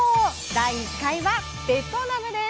第１回はベトナムです。